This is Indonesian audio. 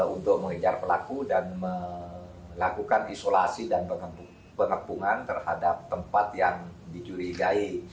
untuk mengejar pelaku dan melakukan isolasi dan pengepungan terhadap tempat yang dicurigai